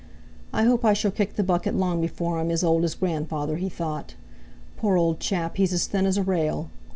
"I hope I shall kick the bucket long before I'm as old as grandfather," he thought. "Poor old chap, he's as thin as a rail!"